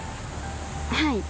はい。